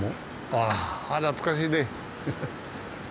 ああ懐かしいね。